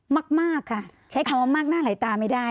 มากค่ะใช้คำว่ามากหน้าหลายตาไม่ได้